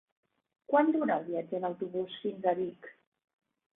Quant dura el viatge en autobús fins a Vic?